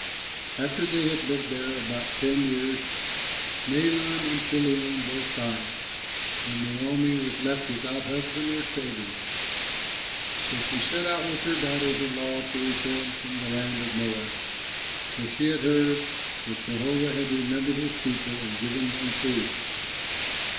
After they had lived there about ten years, Mahlon and Chilion both died, and Naomi was left without husband or children. So she set out with her daughters in law to return from the land of Moab, for she had heard that Jehovah had remembered his people and given them food.